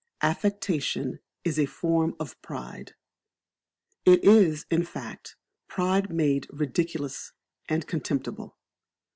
Affectation is a Form of Pride. It is, in fact, pride made ridiculous and contemptible.